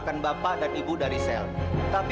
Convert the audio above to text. siapa sudah jelah